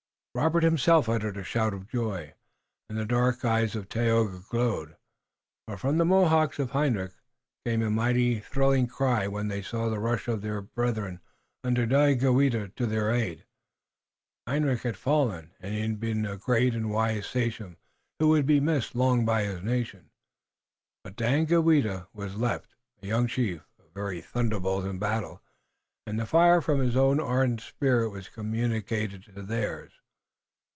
Robert himself uttered a shout of joy and the dark eyes of Tayoga glowed. But from the Mohawks of Hendrik came a mighty, thrilling cry when they saw the rush of their brethren under Daganoweda to their aid. Hendrik had fallen, and he had been a great and a wise sachem who would be missed long by his nation, but Daganoweda was left, a young chief, a very thunderbolt in battle, and the fire from his own ardent spirit was communicated to theirs.